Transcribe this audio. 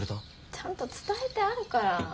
ちゃんと伝えてあるから。